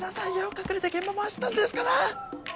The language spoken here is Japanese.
隠れて現場回してたんですから！